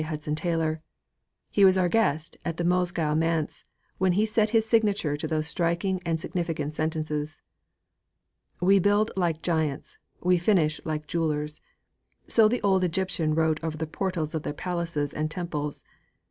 Hudson Taylor_. He was our guest at the Mosgiel Manse when he set his signature to those striking and significant sentences. VI 'We Build Like Giants; we Finish Like Jewelers!' so the old Egyptians wrote over the portals of their palaces and temples.